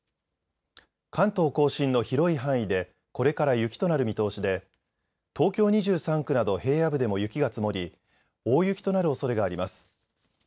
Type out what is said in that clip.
関東甲信の広い範囲でこれから雪となる見通しで東京２３区など平野部でも雪が積もり大雪となるおそれがあります。